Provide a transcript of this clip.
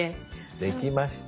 できました。